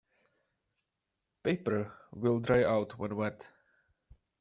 Paper will dry out when wet.